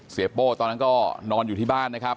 โป้ตอนนั้นก็นอนอยู่ที่บ้านนะครับ